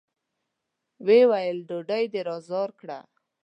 ويې ويل: ډوډۍ دې را زار کړه!